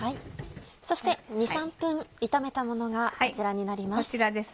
そして２３分炒めたものがこちらになります。